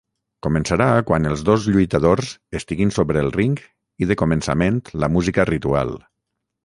Començarà quan els dos lluitadors estiguin sobre el ring i de començament la música ritual.